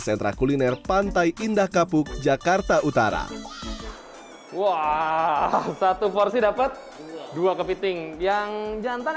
sentra kuliner pantai indah kapuk jakarta utara wah satu porsi dapat dua kepiting yang jantan